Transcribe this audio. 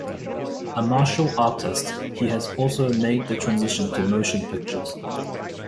A martial artist, he has also made the transition to motion pictures.